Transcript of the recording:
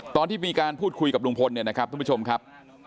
ตอนที่มีการพูดคุยกับลุงพลเนี่ยนะครับทุกผู้ชมครับ